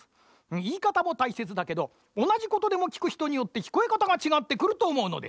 いいかたもたいせつだけどおなじことでもきくひとによってきこえかたがちがってくるとおもうのです。